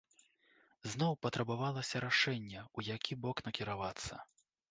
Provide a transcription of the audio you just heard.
Зноў патрабавалася рашэнне, у які бок накіравацца.